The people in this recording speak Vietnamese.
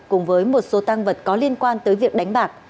cùng với một số tăng vật có liên quan tới việc đánh bạc